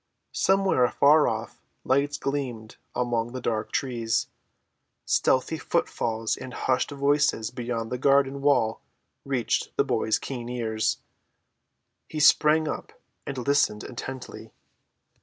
Somewhere, afar off, lights gleamed among the dark trees; stealthy footfalls and hushed voices beyond the garden wall reached the boy's keen ears. He sprang up and listened intently.